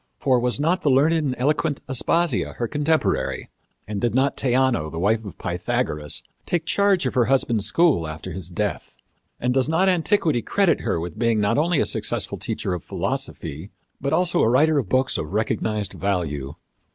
For was not the learned and eloquent Aspasia her contemporary? And did not Theano, the wife of Pythagoras, take charge of her husband's school after his death; and does not antiquity credit her with being not only a successful teacher of philosophy, but also a writer of books of recognized value?